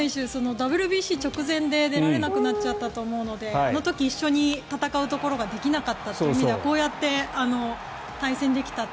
ＷＢＣ直前で出られなくなったと思うのであの時、一緒に戦うところができなかったという意味ではこうやって対戦できたと。